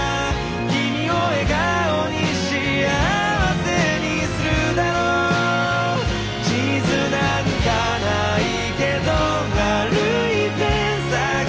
「君を笑顔に幸せにするだろう」「地図なんかないけど歩いて探して」